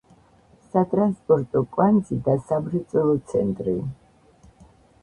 სატრანსპორტო კვანძი და სამრეწველო ცენტრი.